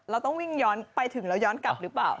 เราต้องวิ่งย้อนไปถึงแล้วย้อนกลับหรือเปล่า